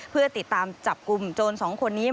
เพื่อติดตามจับกลุ่มโจรสองคนนี้